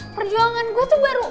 perjuangan gue tuh baru